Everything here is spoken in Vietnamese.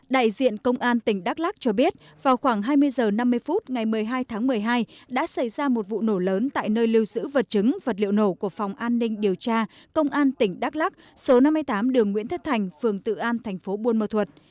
đại diện công an tỉnh đắk lắc cho biết vào khoảng hai mươi h năm mươi phút ngày một mươi hai tháng một mươi hai đã xảy ra một vụ nổ lớn tại nơi lưu giữ vật chứng vật liệu nổ của phòng an ninh điều tra công an tỉnh đắk lắc số năm mươi tám đường nguyễn thất thành phường tự an thành phố buôn mơ thuật